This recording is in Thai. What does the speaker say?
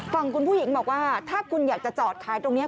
ฝั่งคุณผู้หญิงบอกว่าถ้าคุณอยากจะจอดขายตรงนี้